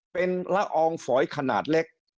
เป็นละอองฝอยขนาดเล็ก